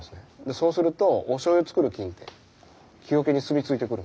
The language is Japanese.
そうするとおしょうゆを造る菌って木桶に住み着いてくるんですよ。